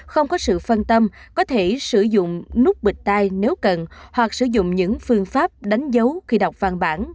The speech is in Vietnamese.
không có sự phân tâm có thể sử dụng núp bịch tai nếu cần hoặc sử dụng những phương pháp đánh dấu khi đọc văn bản